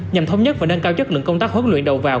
nhằm thống nhất và nâng cao chất lượng công tác huấn luyện đầu vào